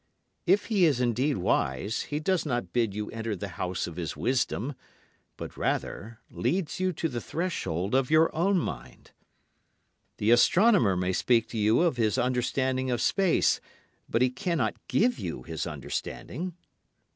If he is indeed wise he does not bid you enter the house of his wisdom, but rather leads you to the threshold of your own mind. The astronomer may speak to you of his understanding of space, but he cannot give you his understanding.